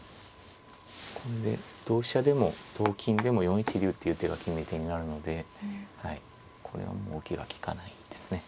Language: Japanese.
これで同飛車でも同金でも４一竜っていう手が決め手になるのでこれはもう受けが利かないですね。